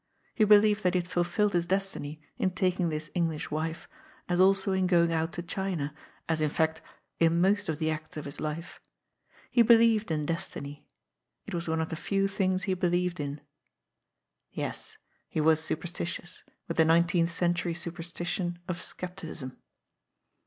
He believed that he had fulfilled his destiny in taking this English wife, as also in going out to China, as, in fact, in mosV of the acts of his life. He believed in des tiny. It was one of the few things he believed in. Yes, he was superstitious, with the nineteenth century superstition of scepticism.